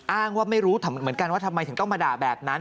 อ้างว่าไม่รู้เหมือนกันว่าทำไมถึงต้องมาด่าแบบนั้น